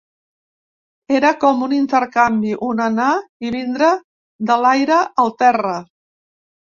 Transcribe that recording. Era com un intercanvi, un anar i vindre de l’aire al terra.